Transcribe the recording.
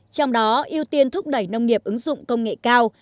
trong đó ưu tiên thúc đẩy nông nghiệp ứng dụng công nghệ cao